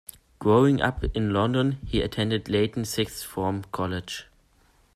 Growing up in London, he attended Leyton Sixth Form College.